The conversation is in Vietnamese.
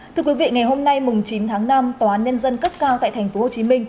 thưa quý vị ngày hôm nay chín tháng năm tòa án nhân dân cấp cao tại tp hcm